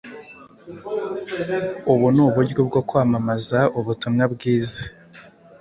Ubu ni uburyo bwo kwamamaza ubutumwa bwiza